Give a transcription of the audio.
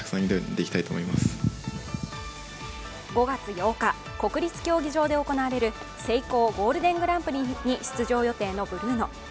５月８日、国立競技場で行われるセイコーゴールデングランプリに出場予定のブルーノ。